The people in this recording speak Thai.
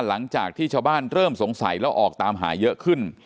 หลังจากที่ชาวบ้านเริ่มสงสัยแล้วออกตามหาเยอะขึ้น